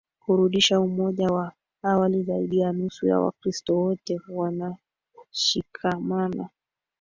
kurudisha umoja wa awali Zaidi ya nusu ya Wakristo wote wanashikamana